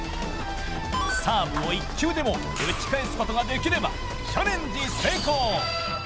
サーブを１球でも打ち返すことができればチャレンジ成功。